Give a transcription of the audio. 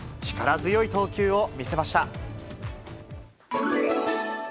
力強い投球を見せました。